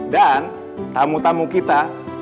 dan tamu tamu kita